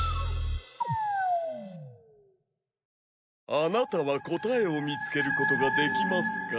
あなたは答えを見つけることができますか？